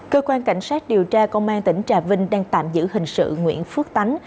cơ quan cảnh sát điều tra công an tỉnh trà vinh đang tạm giữ hình sự nguyễn phước tán